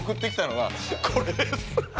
これです。